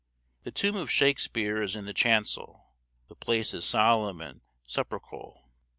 The tomb of Shakespeare is in the chancel. The place is solemn and sepulchral.